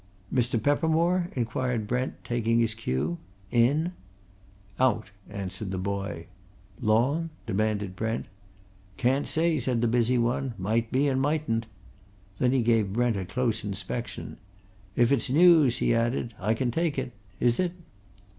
"Mr. Peppermore?" inquired Brent, taking his cue. "In?" "Out," answered the boy. "Long?" demanded Brent. "Can't say," said the busy one. "Might be and mightn't." Then he gave Brent a close inspection. "If it's news," he added, "I can take it. Is it?"